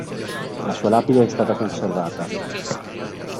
La sua lapide è stata conservata.